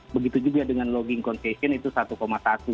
begitu juga dengan logging concation itu satu satu